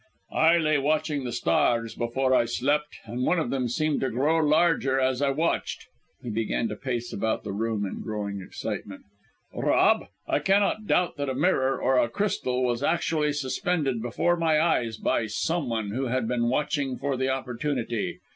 I lay watching the stars before I slept, and one of them seemed to grow larger as I watched." He began to pace about the room in growing excitement. "Rob, I cannot doubt that a mirror, or a crystal, was actually suspended before my eyes by someone, who had been watching for the opportunity.